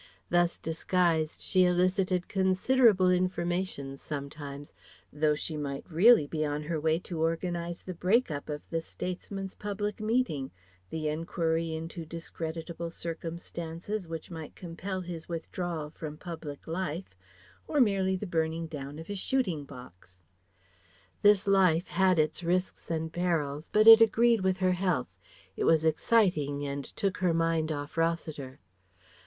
Thus disguised she elicited considerable information sometimes, though she might really be on her way to organize the break up of the statesman's public meeting, the enquiry into discreditable circumstances which might compel his withdrawal from public life, or merely the burning down of his shooting box. This life had its risks and perils, but it agreed with her health. It was exciting and took her mind off Rossiter.